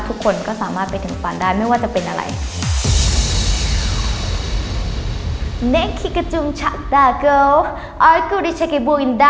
ทุกคนก็สามารถไปถึงฝันได้ไม่ว่าจะเป็นอะไร